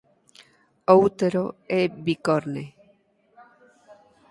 O útero é bicorne.